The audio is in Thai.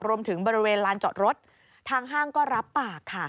รวมถึงบริเวณร้านจอดรถทางห้างก็รับปาก